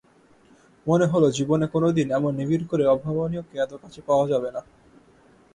মনে হল, জীবনে কোনোদিন এমন নিবিড় করে অভাবনীয়কে এত কাছে পাওয়া যাবে না।